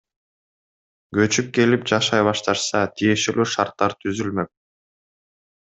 Көчүп келип, жашай башташса, тиешелүү шарттар түзүлмөк.